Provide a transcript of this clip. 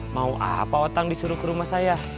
mau apa otak disuruh ke rumah saya